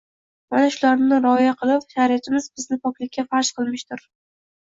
Mana shularni rioya qilub, shariatimiz bizga poklikni farz qilmishdur